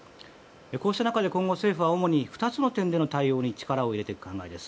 こうした中で今後、政府は主に２つの点に力を入れていく考えです。